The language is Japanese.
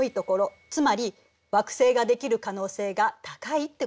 つまり惑星ができる可能性が高いってことね。